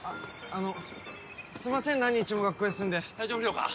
あのすんません何日も学校休んで体調不良か？